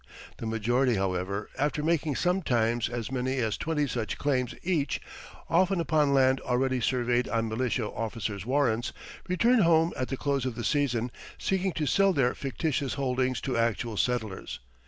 The majority, however, after making sometimes as many as twenty such claims each, often upon land already surveyed on militia officers' warrants, returned home at the close of the season, seeking to sell their fictitious holdings to actual settlers.